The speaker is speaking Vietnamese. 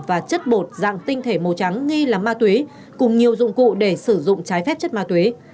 và chất bột dạng tinh thể màu trắng nghi là ma túy cùng nhiều dụng cụ để sử dụng trái phép chất ma túy